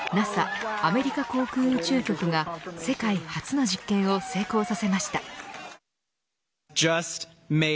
ＮＡＳＡ、アメリカ航空宇宙局が世界初の実験を成功させました。